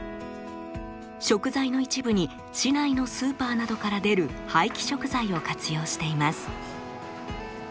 食材の一部に市内のスーパーなどから出る廃棄食材を活用しています。